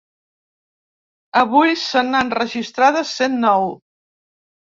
Avui se n’han registrades cent nou.